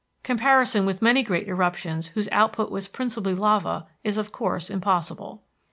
Comparison with many great eruptions whose output was principally lava is of course impossible.